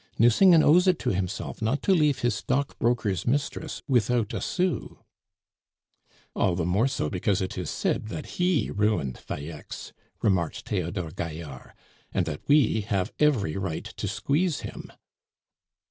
Nucingen owes it to himself not to leave his stockbroker's mistress without a sou " "All the more so because it is said that he ruined Falleix," remarked Theodore Gaillard, "and that we have every right to squeeze him."